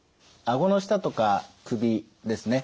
顎の下とか首ですね